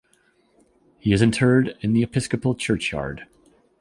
He is interred in the Episcopal Churchyard.